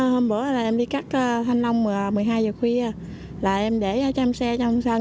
hôm bữa là em đi cắt thanh long một mươi hai h khuya là em để cho em xe trong sân